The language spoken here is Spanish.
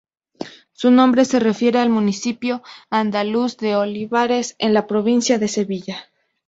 Su nombre se refiere al municipio andaluz de Olivares, en la provincia de Sevilla.